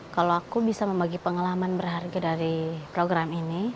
kalau aku bisa membagi pengalaman berharga dari program ini